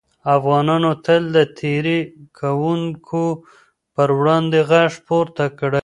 افغانانو تل د تېري کوونکو پر وړاندې غږ پورته کړی.